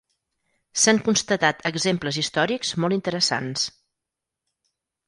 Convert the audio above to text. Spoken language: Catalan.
S'han constatat exemples històrics molt interessants.